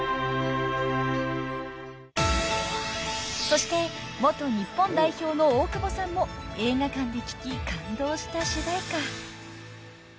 ［そして元日本代表の大久保さんも映画館で聴き感動した主題歌］